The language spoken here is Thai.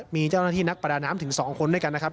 มีเจ้าหน้าที่นักประดาน้ำถึง๒คนด้วยกันนะครับ